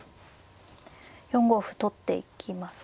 ４五歩取っていきますか。